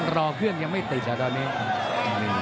รอเครื่องยังไม่ติดอ่ะตอนนี้